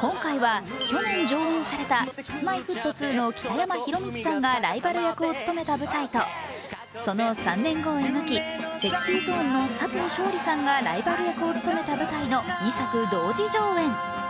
今回は去年上演されたＫｉｓ−Ｍｙ−Ｆｔ２の北山宏光さんがライバル役を務めた舞台と、その３年後を描き、ＳｅｘｙＺｏｎｅの佐藤勝利さんがライバル役を務めた舞台の２作同時上演。